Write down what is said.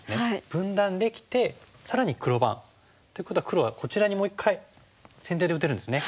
分断できて更に黒番。ということは黒はこちらにもう一回先手で打てるんですね。